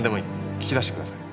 聞き出してください。